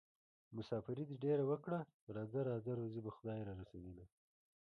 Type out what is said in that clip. مساپري دې ډېره وکړه راځه راځه روزي به خدای رارسوينه